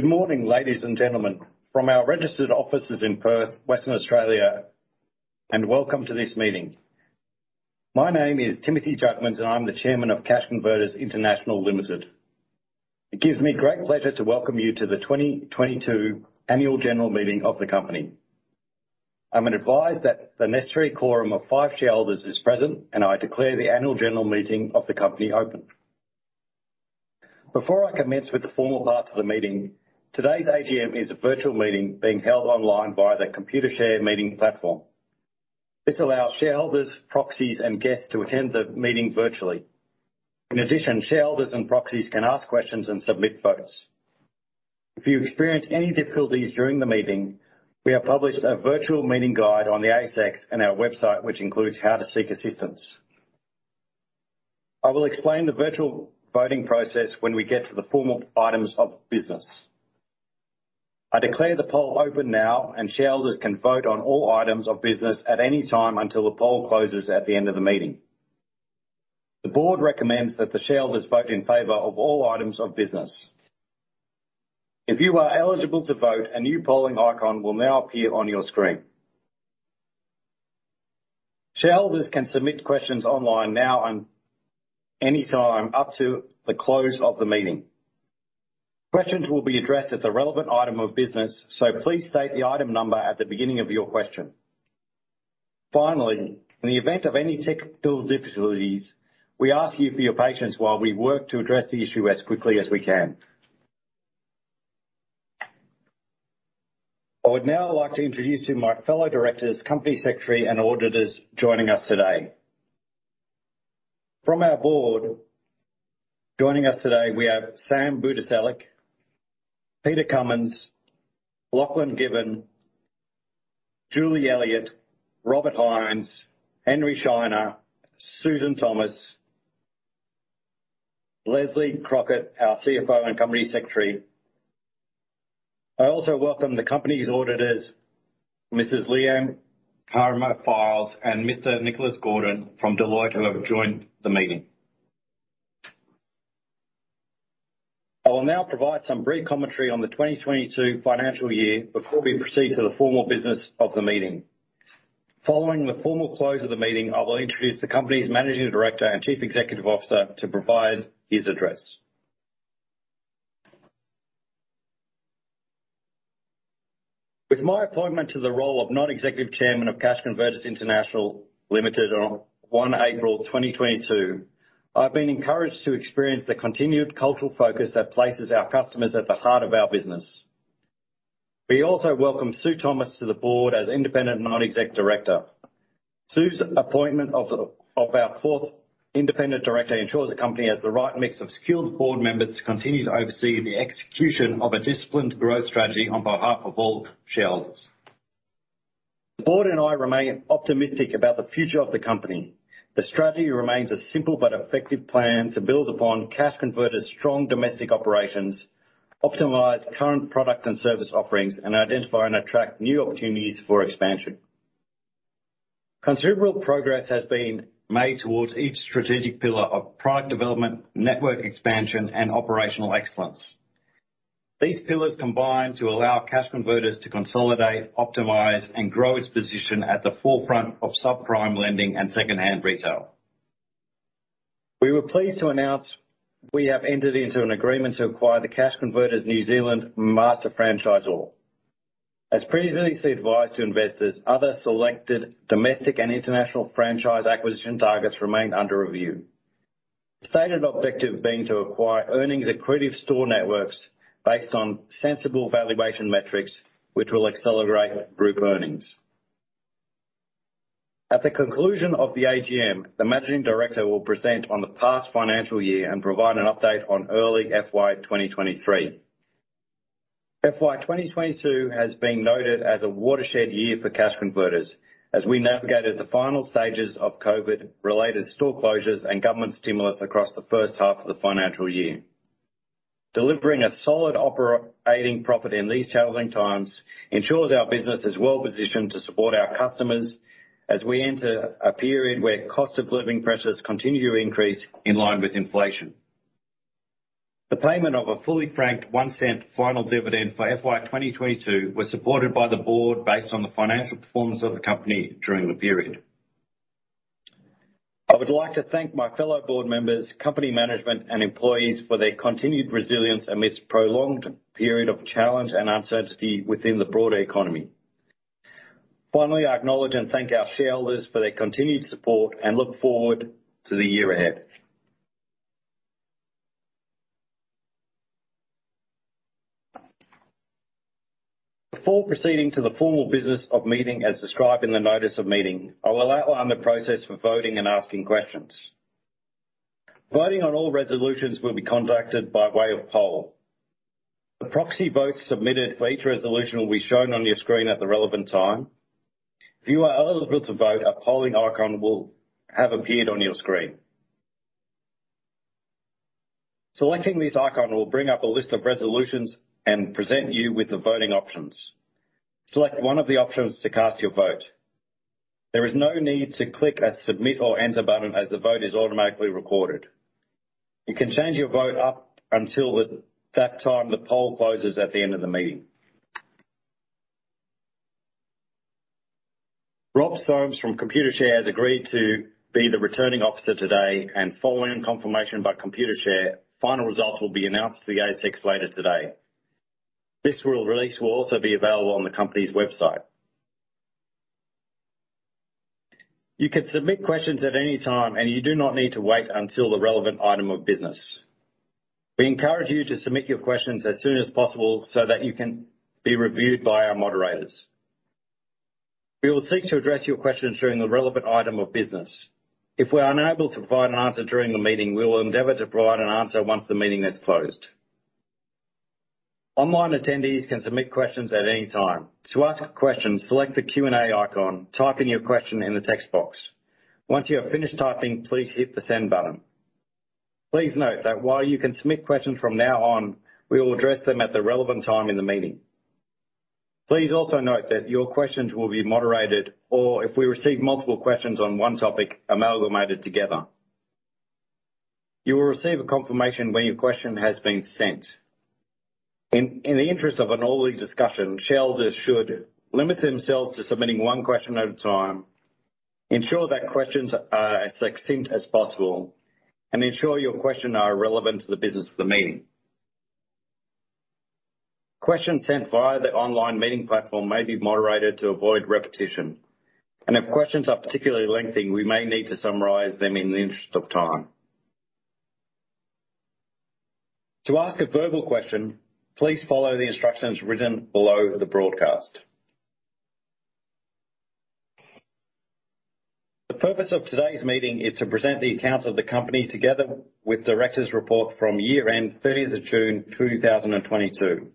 Good morning, ladies and gentlemen, from our registered offices in Perth, Western Australia, and welcome to this meeting. My name is Timothy Jugmans, and I'm the Chairman of Cash Converters International Limited. It gives me great pleasure to welcome you to the 2022 annual general meeting of the company. I'm advised that the necessary quorum of five shareholders is present, and I declare the annual general meeting of the company open. Before I commence with the formal parts of the meeting, today's AGM is a virtual meeting being held online via the Computershare meeting platform. This allows shareholders, proxies, and guests to attend the meeting virtually. In addition, shareholders and proxies can ask questions and submit votes. If you experience any difficulties during the meeting, we have published a virtual meeting guide on the ASX and our website, which includes how to seek assistance. I will explain the virtual voting process when we get to the formal items of business. I declare the poll open now, and shareholders can vote on all items of business at any time until the poll closes at the end of the meeting. The board recommends that the shareholders vote in favor of all items of business. If you are eligible to vote, a new polling icon will now appear on your screen. Shareholders can submit questions online now and any time up to the close of the meeting. Questions will be addressed at the relevant item of business, so please state the item number at the beginning of your question. Finally, in the event of any technical difficulties, we ask you for your patience while we work to address the issue as quickly as we can. I would now like to introduce you to my fellow directors, company secretary and auditors joining us today. From our board, joining us today, we have Sam Budiselik, Peter Cumins, Lachlan Given, Julie Elliott, Robert Hines, Henry Shiner, Susan Thomas, Leslie Crockett, our CFO and company secretary. I also welcome the company's auditors, Mrs. Leanne Carnfiles and Mr. Nicholas Gordon from Deloitte, who have joined the meeting. I will now provide some brief commentary on the 2022 financial year before we proceed to the formal business of the meeting. Following the formal close of the meeting, I will introduce the company's managing director and chief executive officer to provide his address. With my appointment to the role of non-executive chairman of Cash Converters International Limited on April 1st 2022, I've been encouraged to experience the continued cultural focus that places our customers at the heart of our business. We also welcome Sue Thomas to the board as independent non-exec director. Sue's appointment as our fourth independent director ensures the company has the right mix of skilled board members to continue to oversee the execution of a disciplined growth strategy on behalf of all shareholders. The board and I remain optimistic about the future of the company. The strategy remains a simple but effective plan to build upon Cash Converters' strong domestic operations, optimize current product and service offerings, and identify and attract new opportunities for expansion. Considerable progress has been made towards each strategic pillar of product development, network expansion, and operational excellence. These pillars combine to allow Cash Converters to consolidate, optimize, and grow its position at the forefront of subprime lending and secondhand retail. We were pleased to announce we have entered into an agreement to acquire the Cash Converters New Zealand Master Franchise Hold. As previously advised to investors, other selected domestic and international franchise acquisition targets remain under review. Stated objective being to acquire earnings accretive store networks based on sensible valuation metrics which will accelerate group earnings. At the conclusion of the AGM, the managing director will present on the past financial year and provide an update on early FY 2023. FY 2022 has been noted as a watershed year for Cash Converters as we navigated the final stages of COVID related store closures and government stimulus across the first half of the financial year. Delivering a solid operating profit in these challenging times ensures our business is well-positioned to support our customers as we enter a period where cost of living pressures continue to increase in line with inflation. The payment of a fully franked 0.01 final dividend for FY 2022 was supported by the board based on the financial performance of the company during the period. I would like to thank my fellow board members, company management and employees for their continued resilience amidst prolonged period of challenge and uncertainty within the broader economy. Finally, I acknowledge and thank our shareholders for their continued support and look forward to the year ahead. Before proceeding to the formal business of meeting as described in the notice of meeting, I will outline the process for voting and asking questions. Voting on all resolutions will be conducted by way of poll. The proxy votes submitted for each resolution will be shown on your screen at the relevant time. If you are eligible to vote, a polling icon will have appeared on your screen. Selecting this icon will bring up a list of resolutions and present you with the voting options. Select one of the options to cast your vote. There is no need to click a Submit or Enter button as the vote is automatically recorded. You can change your vote up until that time the poll closes at the end of the meeting. Rob Soames from Computershare has agreed to be the Returning Officer today and following confirmation by Computershare, final results will be announced to the ASX later today. This will also be available on the company's website. You can submit questions at any time, and you do not need to wait until the relevant item of business. We encourage you to submit your questions as soon as possible so that you can be reviewed by our moderators. We will seek to address your questions during the relevant item of business. If we are unable to provide an answer during the meeting, we will endeavor to provide an answer once the meeting has closed. Online attendees can submit questions at any time. To ask a question, select the Q&A icon, type in your question in the text box. Once you have finished typing, please hit the Send button. Please note that while you can submit questions from now on, we will address them at the relevant time in the meeting. Please also note that your questions will be moderated, or if we receive multiple questions on one topic, amalgamated together. You will receive a confirmation when your question has been sent. In the interest of an orderly discussion, shareholders should limit themselves to submitting one question at a time, ensure that questions are as succinct as possible, and ensure your questions are relevant to the business of the meeting. Questions sent via the online meeting platform may be moderated to avoid repetition. If questions are particularly lengthy, we may need to summarize them in the interest of time. To ask a verbal question, please follow the instructions written below the broadcast. The purpose of today's meeting is to present the accounts of the company, together with director's report from year-end, June 30th 2022,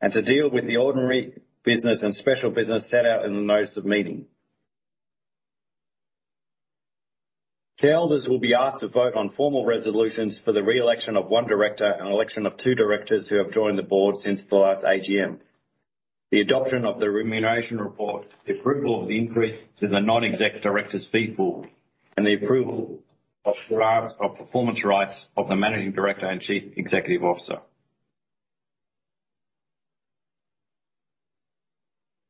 and to deal with the ordinary business and special business set out in the notice of meeting. Shareholders will be asked to vote on formal resolutions for the re-election of one director and election of two directors who have joined the board since the last AGM. The adoption of the remuneration report, the approval of the increase to the non-exec director's fee pool, and the approval of grant of performance rights of the Managing Director and CEO.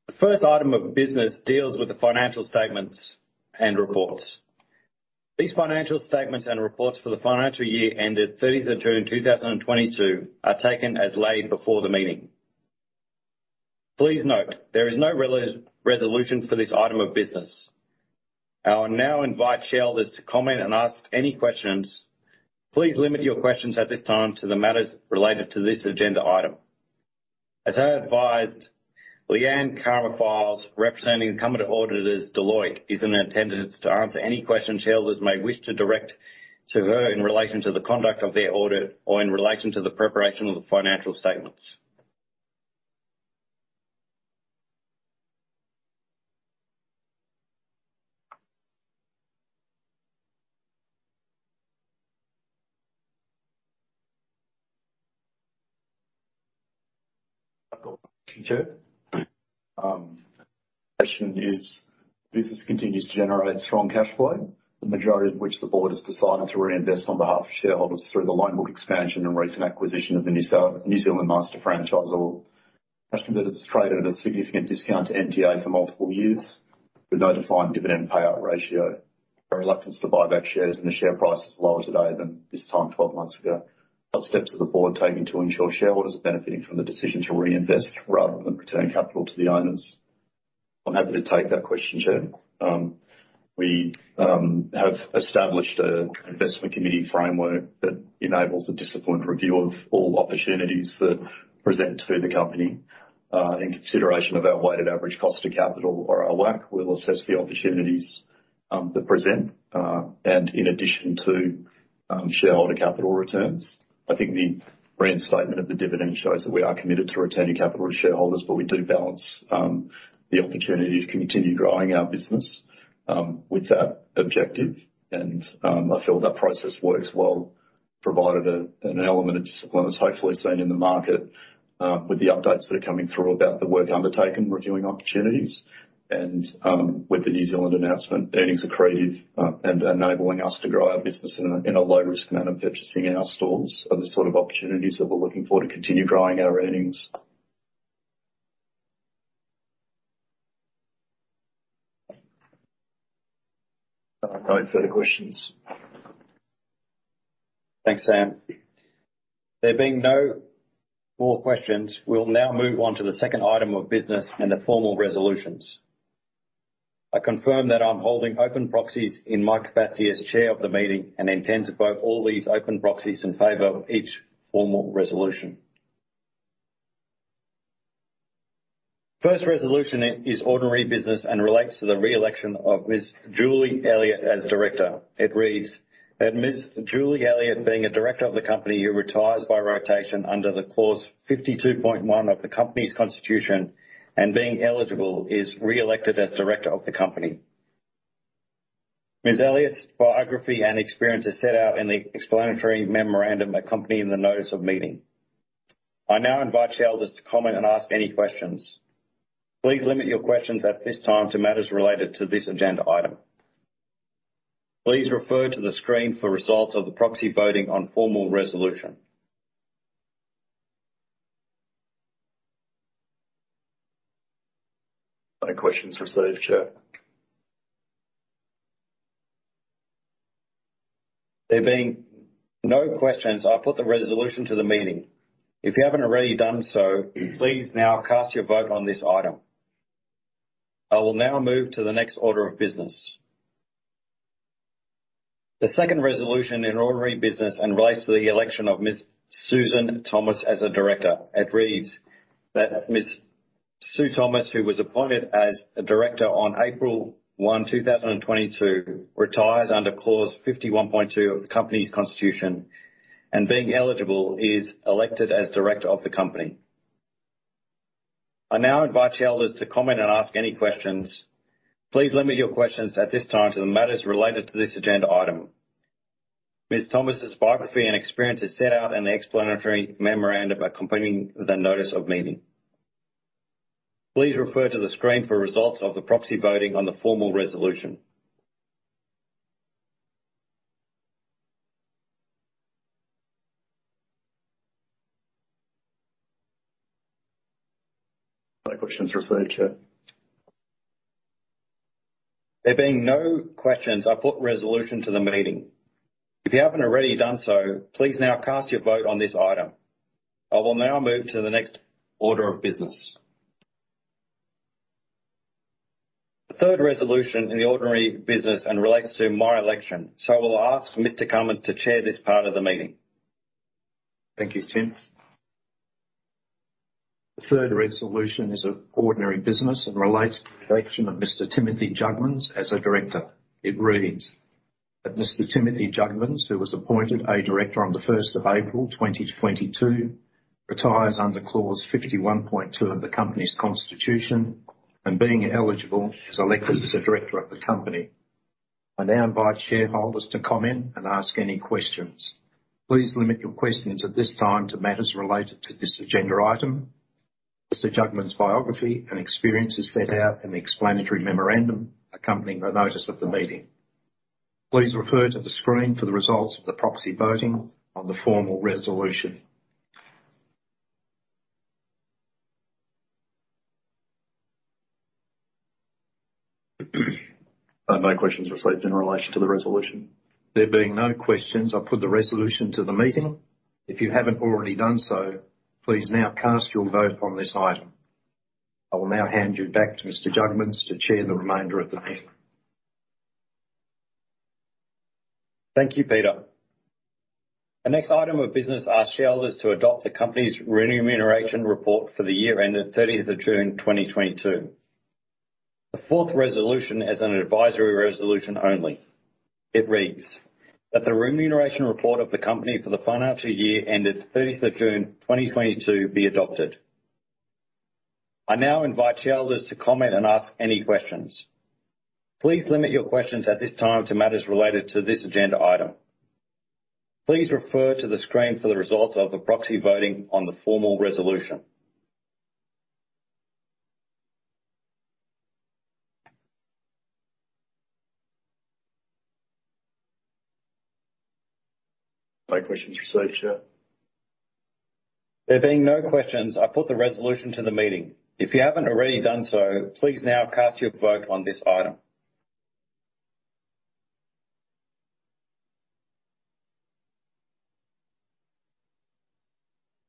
The first item of business deals with the financial statements and reports. These financial statements and reports for the financial year ended June 30th 2022 are taken as laid before the meeting. Please note there is no resolution for this item of business. I will now invite shareholders to comment and ask any questions. Please limit your questions at this time to the matters related to this agenda item. As I advised, Leanne Carnfiles, representing incumbent auditors Deloitte, is in attendance to answer any questions shareholders may wish to direct to her in relation to the conduct of their audit or in relation to the preparation of the financial statements. Question is, business continues to generate strong cash flow, the majority of which the board has decided to reinvest on behalf of shareholders through the loan book expansion and recent acquisition of the New Zealand Master Franchise. Cash Converters traded at a significant discount to NTA for multiple years with no defined dividend payout ratio. A reluctance to buy back shares and the share price is lower today than this time 12 months ago. What steps are the board taking to ensure shareholders are benefiting from the decision to reinvest rather than returning capital to the owners? I'm happy to take that question, Chair. We have established an investment committee framework that enables a disciplined review of all opportunities that present to the company in consideration of our weighted average cost of capital or our WACC. We'll assess the opportunities that present, and in addition to shareholder capital returns. I think the reinstatement of the dividend shows that we are committed to returning capital to shareholders, but we do balance the opportunity to continue growing our business with that objective. I feel that process works well, provided an element of discipline is hopefully seen in the market with the updates that are coming through about the work undertaken, reviewing opportunities and with the New Zealand announcement, earnings accretive, and enabling us to grow our business in a low risk manner, purchasing in our stores are the sort of opportunities that we're looking for to continue growing our earnings. No further questions. Thanks, Sam. There being no more questions, we'll now move on to the second item of business and the formal resolutions. I confirm that I'm holding open proxies in my capacity as Chair of the meeting and intend to vote all these open proxies in favor of each formal resolution. First resolution is ordinary business and relates to the re-election of Ms. Julie Elliott as Director. It reads that Ms. Julie Elliott, being a Director of the company who retires by rotation under the clause 52.1 of the company's constitution and being eligible, is re-elected as Director of the company. Ms. Elliott's biography and experience is set out in the explanatory memorandum accompanying the notice of meeting. I now invite shareholders to comment and ask any questions. Please limit your questions at this time to matters related to this agenda item. Please refer to the screen for results of the proxy voting on formal resolution. No questions received, Chair. There being no questions, I'll put the resolution to the meeting. If you haven't already done so, please now cast your vote on this item. I will now move to the next order of business. The second resolution in ordinary business and relates to the election of Ms. Susan Thomas as a director. It reads that Ms. Susan Thomas, who was appointed as a director on April 1st 2022, retires under Clause 51.2 of the company's constitution, and being eligible, is elected as director of the company. I now invite shareholders to comment and ask any questions. Please limit your questions at this time to the matters related to this agenda item. Ms. Thomas's biography and experience is set out in the explanatory memorandum accompanying the notice of meeting. Please refer to the screen for results of the proxy voting on the formal resolution. No questions received, Chair. There being no questions, I'll put resolution to the meeting. If you haven't already done so, please now cast your vote on this item. I will now move to the next order of business. The third resolution in the ordinary business and relates to my election, so I will ask Mr. Cumins to chair this part of the meeting. Thank you, Tim. The third resolution is of ordinary business and relates to the election of Mr. Timothy Jugmans as a director. It reads that Mr. Timothy Jugmans, who was appointed a director on April 1st 2022, retires under Clause 51.2 of the company's constitution, and being eligible, is elected as a director of the company. I now invite shareholders to comment and ask any questions. Please limit your questions at this time to matters related to this agenda item. Mr. Jugmans biography and experience is set out in the explanatory memorandum accompanying the notice of the meeting. Please refer to the screen for the results of the proxy voting on the formal resolution. No questions received in relation to the resolution. There being no questions, I'll put the resolution to the meeting. If you haven't already done so, please now cast your vote on this item. I will now hand you back to Mr. Jugmans to chair the remainder of the meeting. Thank you, Peter. The next item of business asks shareholders to adopt the company's remuneration report for the year ended 30th of June, 2022. The fourth resolution is an advisory resolution only. It reads that the remuneration report of the company for the financial year ended 30th of June, 2022, be adopted. I now invite shareholders to comment and ask any questions. Please limit your questions at this time to matters related to this agenda item. Please refer to the screen for the results of the proxy voting on the formal resolution. No questions received, Chair. There being no questions, I put the resolution to the meeting. If you haven't already done so, please now cast your vote on this item.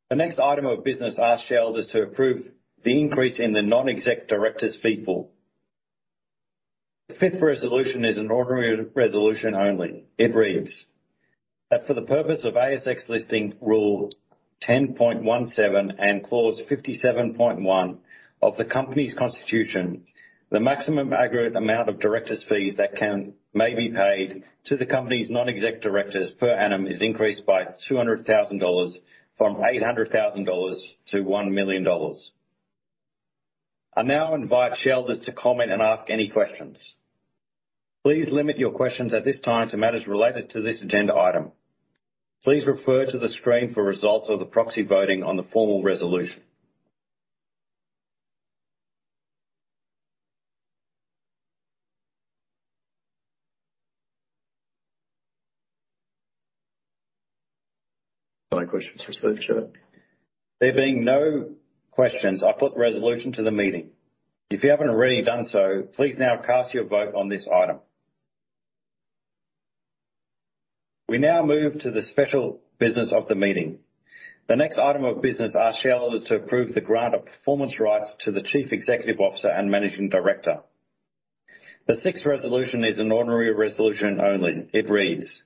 The next item of business asks shareholders to approve the increase in the non-exec directors' fee pool. The fifth resolution is an ordinary resolution only. It reads that for the purpose of ASX Listing Rule 10.17 and clause 57.1 of the company's constitution, the maximum aggregate amount of directors' fees that may be paid to the company's non-exec directors per annum is increased by 200,000 dollars from 800,000 dollars to 1 million dollars. I now invite shareholders to comment and ask any questions. Please limit your questions at this time to matters related to this agenda item. Please refer to the screen for results of the proxy voting on the formal resolution. No questions received, Chair. There being no questions, I'll put the resolution to the meeting. If you haven't already done so, please now cast your vote on this item. We now move to the special business of the meeting. The next item of business asks shareholders to approve the grant of performance rights to the chief executive officer and managing director. The sixth resolution is an ordinary resolution only. It reads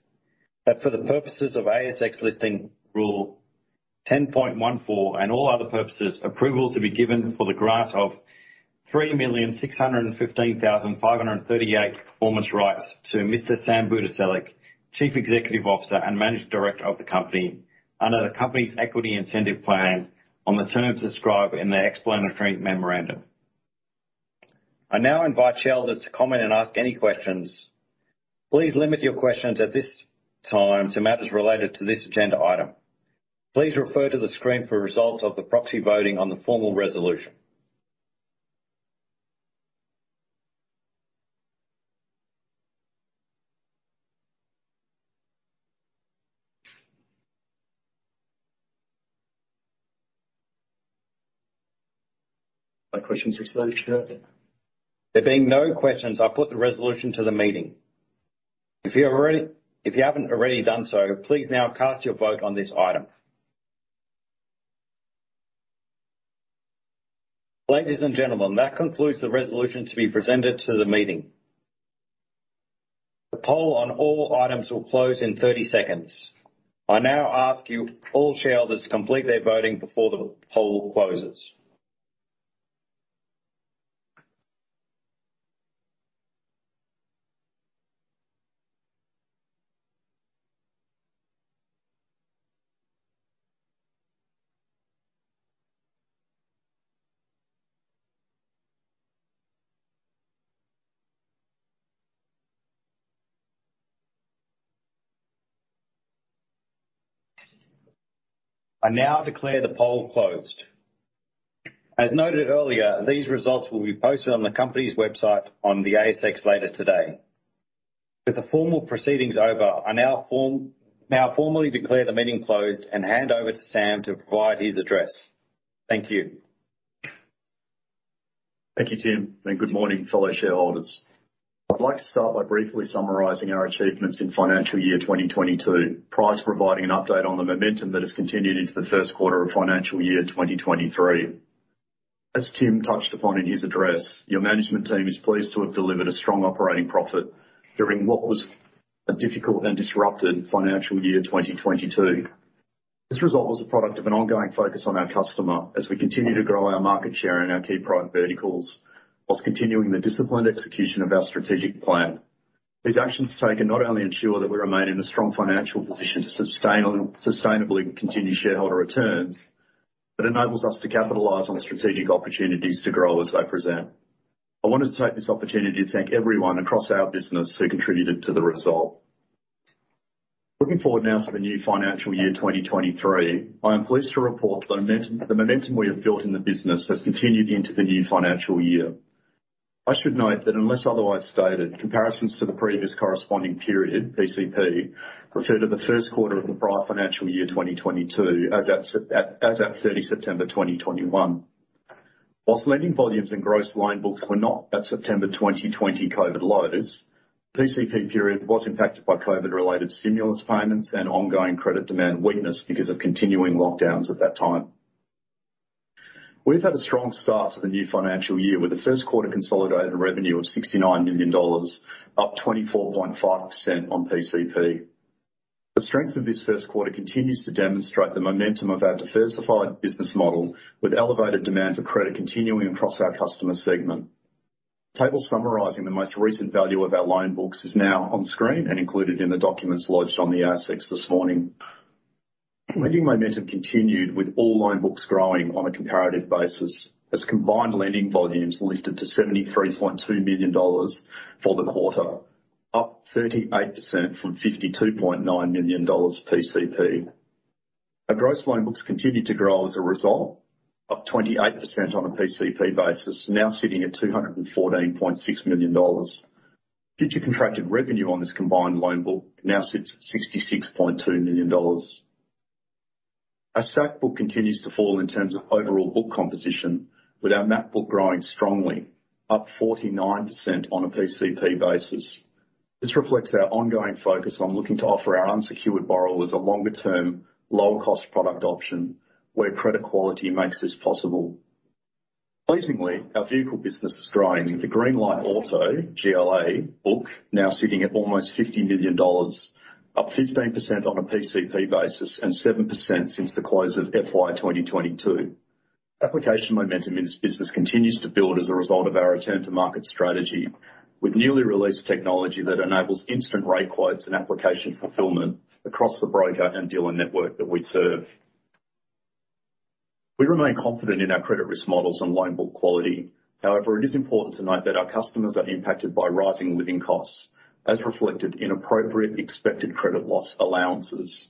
that for the purposes of ASX Listing Rule 10.14 and all other purposes, approval to be given for the grant of 3,615,538 performance rights to Mr. Sam Budiselik, CEO and Managing Director of the company, under the company's equity incentive plan on the terms described in the explanatory memorandum. I now invite shareholders to comment and ask any questions. Please limit your questions at this time to matters related to this agenda item. Please refer to the screen for results of the proxy voting on the formal resolution. No questions received. There being no questions, I'll put the resolution to the meeting. If you haven't already done so, please now cast your vote on this item. Ladies and gentlemen, that concludes the resolution to be presented to the meeting. The poll on all items will close in 30 seconds. I now ask you, all shareholders, to complete their voting before the poll closes. I now declare the poll closed. As noted earlier, these results will be posted on the company's website on the ASX later today. With the formal proceedings over, I now formally declare the meeting closed and hand over to Sam to provide his address. Thank you. Thank you, Tim, and good morning, fellow shareholders. I'd like to start by briefly summarizing our achievements in financial year 2022, prior to providing an update on the momentum that has continued into the Q1 of financial year 2023. As Tim touched upon in his address, your management team is pleased to have delivered a strong operating profit during what was a difficult and disrupted financial year, 2022. This result was a product of an ongoing focus on our customer as we continue to grow our market share in our key product verticals, whilst continuing the disciplined execution of our strategic plan. These actions taken not only ensure that we remain in a strong financial position to sustain on, sustainably continue shareholder returns, but enables us to capitalize on the strategic opportunities to grow as they present. I wanted to take this opportunity to thank everyone across our business who contributed to the result. Looking forward now to the new financial year, 2023, I am pleased to report the momentum we have built in the business has continued into the new financial year. I should note that unless otherwise stated, comparisons to the previous corresponding period, PCP, refer to the first quarter of the prior financial year, 2022 as at 30 September 2021. While lending volumes and gross loan books were not at September 2020 COVID lows, PCP period was impacted by COVID-related stimulus payments and ongoing credit demand weakness because of continuing lockdowns at that time. We've had a strong start to the new financial year, with the first quarter consolidated revenue of 69 million dollars, up 24.5% on PCP. The strength of this first quarter continues to demonstrate the momentum of our diversified business model, with elevated demand for credit continuing across our customer segment. Table summarizing the most recent value of our loan books is now on screen and included in the documents lodged on the ASX this morning. Lending momentum continued with all loan books growing on a comparative basis, as combined lending volumes lifted to 73.2 million dollars for the quarter, up 38% from 52.9 million dollars PCP. Our gross loan books continued to grow as a result, up 28% on a PCP basis, now sitting at 214.6 million dollars. Future contracted revenue on this combined loan book now sits at 66.2 million dollars. Our SACC book continues to fall in terms of overall book composition, with our MACC book growing strongly, up 49% on a PCP basis. This reflects our ongoing focus on looking to offer our unsecured borrowers a longer term, lower cost product option where credit quality makes this possible. Pleasingly, our vehicle business is growing, with the Green Light Auto, GLA book now sitting at almost 50 million dollars, up 15% on a PCP basis and 7% since the close of FY 2022. Application momentum in this business continues to build as a result of our return to market strategy, with newly released technology that enables instant rate quotes and application fulfillment across the broker and dealer network that we serve. We remain confident in our credit risk models and loan book quality. However, it is important to note that our customers are impacted by rising living costs, as reflected in appropriate expected credit loss allowances.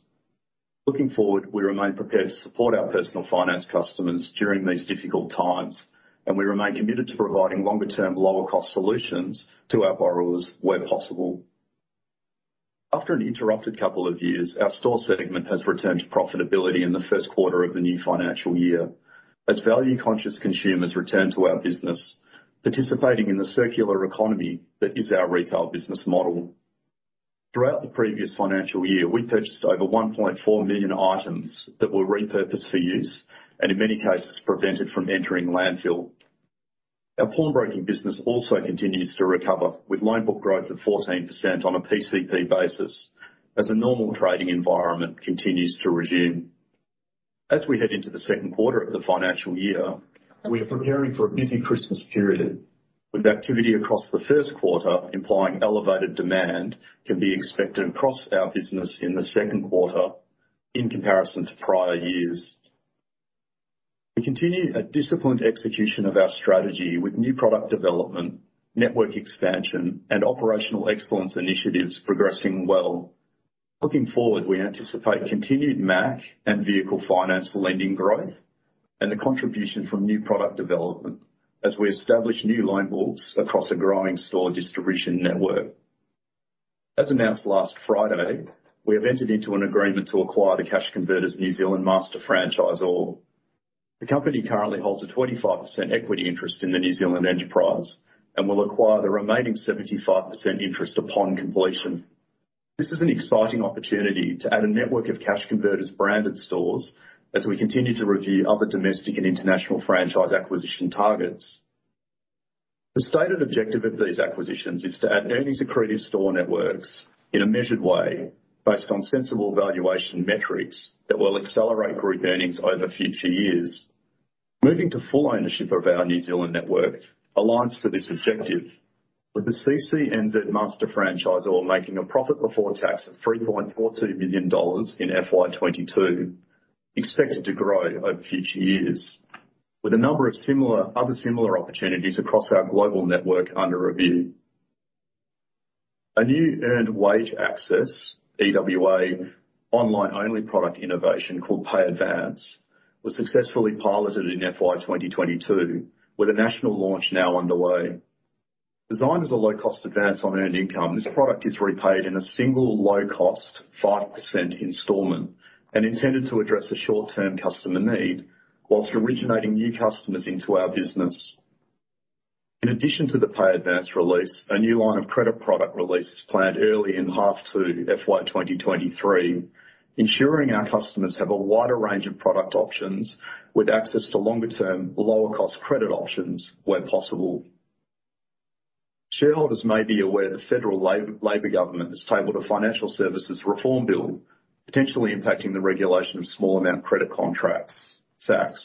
Looking forward, we remain prepared to support our personal finance customers during these difficult times, and we remain committed to providing longer-term, lower-cost solutions to our borrowers where possible. After an interrupted couple of years, our store segment has returned to profitability in the first quarter of the new financial year as value-conscious consumers return to our business, participating in the circular economy that is our retail business model. Throughout the previous financial year, we purchased over 1.4 million items that were repurposed for use and in many cases prevented from entering landfill. Our pawnbroking business also continues to recover, with loan book growth of 14% on a PCP basis as the normal trading environment continues to resume. As we head into the second quarter of the financial year, we are preparing for a busy Christmas period, with activity across the first quarter implying elevated demand can be expected across our business in the second quarter in comparison to prior years. We continue a disciplined execution of our strategy with new product development, network expansion, and operational excellence initiatives progressing well. Looking forward, we anticipate continued MACC and vehicle finance lending growth and the contribution from new product development as we establish new loan books across a growing store distribution network. As announced last Friday, we have entered into an agreement to acquire the Cash Converters New Zealand Master Franchise Hold. The company currently holds a 25% equity interest in the New Zealand enterprise and will acquire the remaining 75% interest upon completion. This is an exciting opportunity to add a network of Cash Converters branded stores as we continue to review other domestic and international franchise acquisition targets. The stated objective of these acquisitions is to add earnings accretive store networks in a measured way based on sensible valuation metrics that will accelerate group earnings over future years. Moving to full ownership of our New Zealand network aligns to this objective. With the CC NZ Master Franchise Hold making a profit before tax of 3.42 million dollars in FY 2022, expected to grow over future years, with a number of other similar opportunities across our global network under review. A new Earned Wage Access, EWA, online-only product innovation called Pay Advance was successfully piloted in FY 2022, with a national launch now underway. Designed as a low-cost advance on earned income, this product is repaid in a single low-cost 5% installment and intended to address a short-term customer need while originating new customers into our business. In addition to the PayAdvance release, a new Line of Credit product release is planned early in H2 FY 2023, ensuring our customers have a wider range of product options with access to longer-term, lower-cost credit options where possible. Shareholders may be aware the Federal Labor Government has tabled a Financial Services Reform Bill potentially impacting the regulation of Small Amount Credit Contracts, SACC.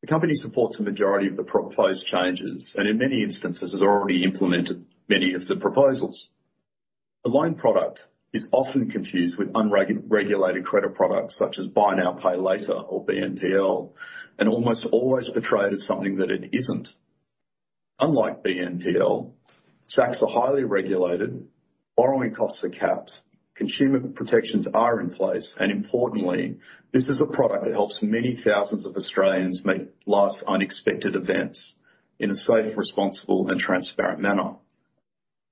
The company supports a majority of the proposed changes and in many instances has already implemented many of the proposals. The loan product is often confused with unregulated credit products such as Buy Now, Pay Later, or BNPL, and almost always portrayed as something that it isn't. Unlike BNPL, SACC are highly regulated, borrowing costs are capped, consumer protections are in place, and importantly, this is a product that helps many thousands of Australians meet life's unexpected events in a safe, responsible, and transparent manner.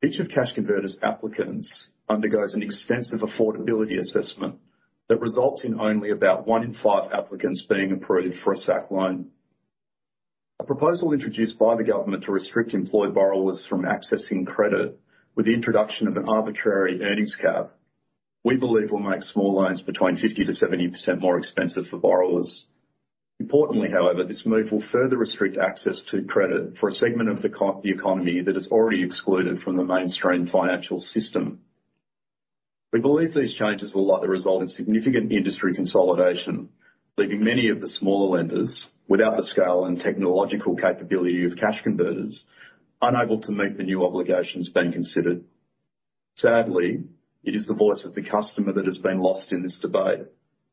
Each of Cash Converters applicants undergoes an extensive affordability assessment that results in only about one in five applicants being approved for a SACC loan. A proposal introduced by the government to restrict employed borrowers from accessing credit with the introduction of an arbitrary earnings cap, we believe will make small loans between 50%-70% more expensive for borrowers. Importantly, however, this move will further restrict access to credit for a segment of the economy that is already excluded from the mainstream financial system. We believe these changes will likely result in significant industry consolidation, leaving many of the smaller lenders without the scale and technological capability of Cash Converters unable to meet the new obligations being considered. Sadly, it is the voice of the customer that has been lost in this debate,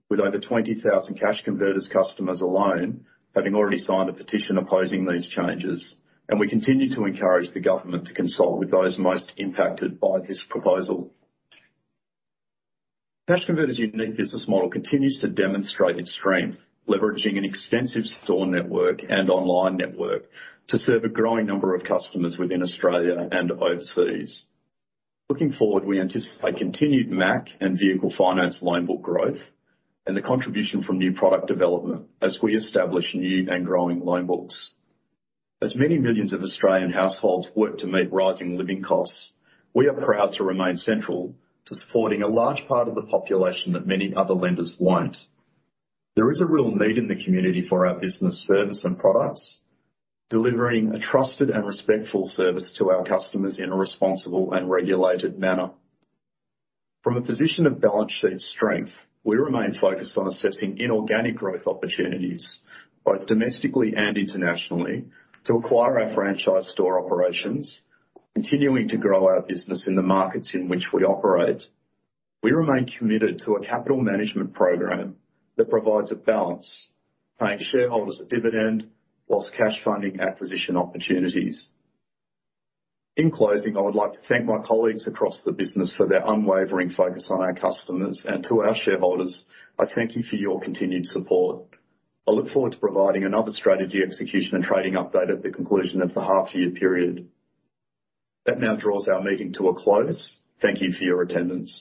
with over 20,000 Cash Converters customers alone having already signed a petition opposing these changes. We continue to encourage the government to consult with those most impacted by this proposal. Cash Converters' unique business model continues to demonstrate its strength, leveraging an extensive store network and online network to serve a growing number of customers within Australia and overseas. Looking forward, we anticipate continued MACC and vehicle finance loan book growth and the contribution from new product development as we establish new and growing loan books. As many millions of Australian households work to meet rising living costs, we are proud to remain central to supporting a large part of the population that many other lenders won't. There is a real need in the community for our business service and products, delivering a trusted and respectful service to our customers in a responsible and regulated manner. From a position of balance sheet strength, we remain focused on assessing inorganic growth opportunities, both domestically and internationally, to acquire our franchise store operations, continuing to grow our business in the markets in which we operate. We remain committed to a capital management program that provides a balance, paying shareholders a dividend whilst cash funding acquisition opportunities. In closing, I would like to thank my colleagues across the business for their unwavering focus on our customers. To our shareholders, I thank you for your continued support. I look forward to providing another strategy execution and trading update at the conclusion of the half year period. That now draws our meeting to a close. Thank you for your attendance.